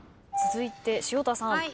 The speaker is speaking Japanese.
続いて潮田さん。